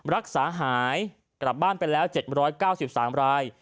รักษาหายกลับบ้านไปแล้ว๗๙๓ราย